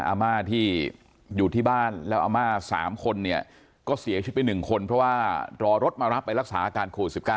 อาม่าที่อยู่ที่บ้านแล้วอาม่า๓คนเนี่ยก็เสียชีวิตไป๑คนเพราะว่ารอรถมารับไปรักษาอาการโควิด๑๙